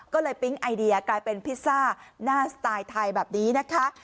ก็เลยปิ๊งไอเดียกลายเป็นพิซซ่าหน้าสไตล์ไทยแบบนี้นะคะ